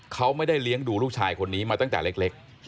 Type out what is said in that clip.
เขาไม่ได้เลี้ยงดูลูกชายคนนี้มาตั้งแต่เล็ก